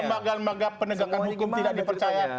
lembaga lembaga penegakan hukum tidak dipercaya